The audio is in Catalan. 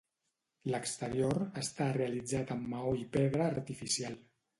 L'exterior està realitzat en maó i pedra artificial.